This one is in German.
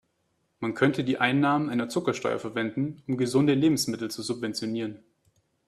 Man könnte die Einnahmen einer Zuckersteuer verwenden, um gesunde Lebensmittel zu subventionieren.